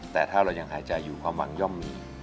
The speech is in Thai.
แต่ถ้าเรายังหายใจอยู่ความหวังย่อมมี